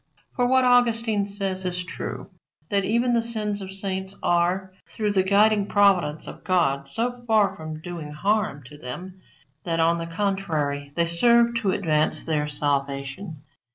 For what Augustine says is true, that even the sins of saints are, through the guiding providence of God, so far from doing harm to them, that, on the contrary, they serve to advance their salvation.